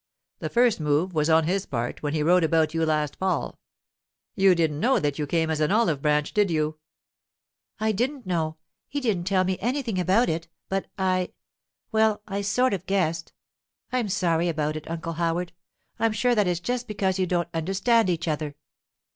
The first move was on his part, when he wrote about you last fall—you didn't know that you came as an olive branch, did you?' 'I didn't know; he didn't tell me anything about it, but I—well, I sort of guessed. I'm sorry about it, Uncle Howard. I'm sure that it's just because you don't understand each other.